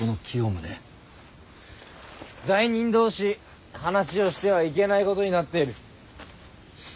罪人同士話をしてはいけないことになっている。